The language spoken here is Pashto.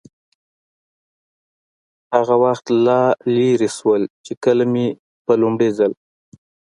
هغه وخت لا لرې شول، چې کله مې په لومړي ځل.